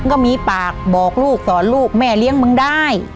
ก็มีปากบอกลูกสอนลูกแม่เลี้ยงมึงได้